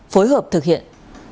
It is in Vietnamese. phối hợp thực hiện